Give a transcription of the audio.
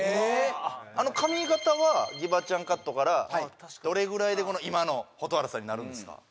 あの髪形はギバちゃんカットからどれぐらいで今の蛍原さんになるんですか？